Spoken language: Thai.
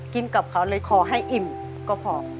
กินกับเขาเลยขอให้อิ่มก็พอ